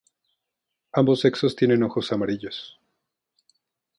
Ambos sexos tienen ojos amarillos.